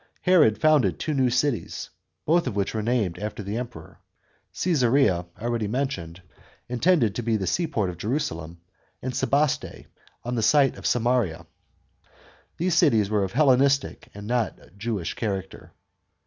Herod founded two new cities, both of which were named after the Emperor : Csesarea, already mentioned, intended to be the seaport of Jerusalem, and Sebaste, on the site of Samaria. These cities were of Hellenistic and not Jewish character.